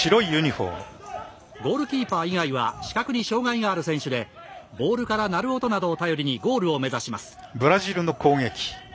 ゴールキーパー以外は視覚に障がいがある選手でボールから鳴る音などを頼りにゴールを目指します。